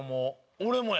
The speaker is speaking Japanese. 俺もや。